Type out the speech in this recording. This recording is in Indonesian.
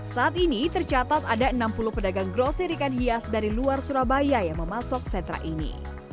saat ini tercatat ada enam puluh pedagang grosir ikan hias dari luar surabaya yang memasuk sentra ini